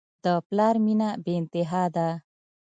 د پلار مینه بېانتها ده.